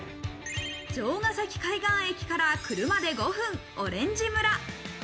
城ヶ崎海岸駅から車で５分、オレンジ村。